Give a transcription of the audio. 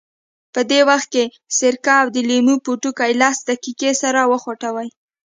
په دې وخت کې سرکه او د لیمو پوټکي لس دقیقې سره وخوټوئ.